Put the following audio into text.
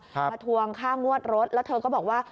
มาทวงค่างวดรถแล้วเธอก็บอกว่า